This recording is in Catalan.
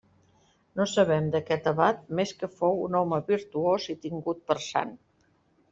No sabem d'aquest abat més que fou un home virtuós i tingut per sant.